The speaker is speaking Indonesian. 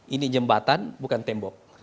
ini jembatan bukan tembok